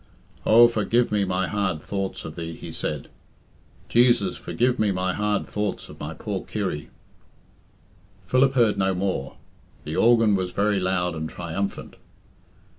"Oh, forgive me my hard thoughts of thee," he said. "Jesus, forgive me my hard thoughts of my poor Kirry." Philip heard no more. The organ was very loud and triumphant.